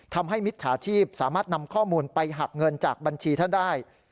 มิจฉาชีพสามารถนำข้อมูลไปหักเงินจากบัญชีท่านได้